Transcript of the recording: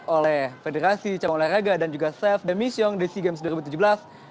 oleh federasi canggung olahraga dan juga chef demi siong desi games dua ribu tujuh belas